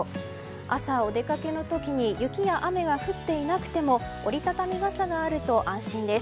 朝、お出かけの時に雪や雨は降っていなくても折り畳み傘があると安心です。